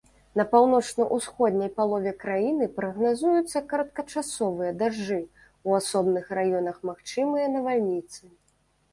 На паўночна-ўсходняй палове краіны прагназуюцца кароткачасовыя дажджы, у асобных раёнах магчымыя навальніцы.